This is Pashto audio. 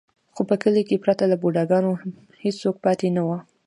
خو په کلي کې پرته له بوډا ګانو هېڅوک پاتې نه و.